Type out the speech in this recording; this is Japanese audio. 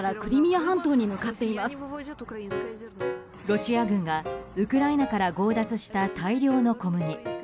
ロシア軍がウクライナから強奪した大量の小麦。